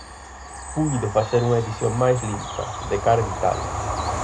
Puido facer unha edición máis limpa, de cara a editalo.